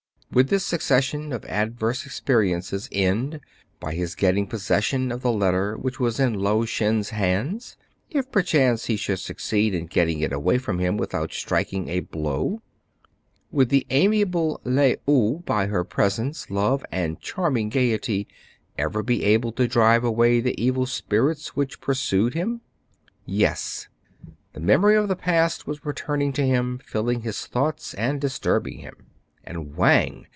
Would this succession of adverse experiences end by his getting possession of the letter which was in Lao Shen's hands, if perchance he should suc ceed in getting it away from him without striking a blow ? Would the amiable Le ou, by her pres ence, love, and charming gayety, ever be able to drive away the evil spirits which pursued him ? Yes : the memory of the past was returning to him, filling his thoughts and disturbing him. And Wang